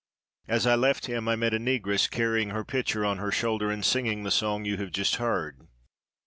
As I left him I met a Negress carrying her pitcher on her shoulder, and singing the song you have just heard.